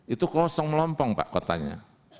itu kosong melompong pak kotanya